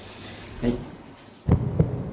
はい。